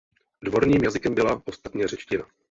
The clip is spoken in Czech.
Dvorním jazykem byla ostatně řečtina.